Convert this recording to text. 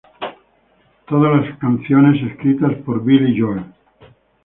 Todas las canciones escritas por by Billy Joel.